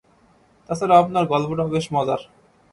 তা ছাড়া আপনার গল্পটাও বেশ মজার।